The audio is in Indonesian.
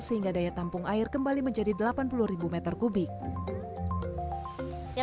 sehingga daya tampung air kembali menjadi delapan puluh ribu meter kubik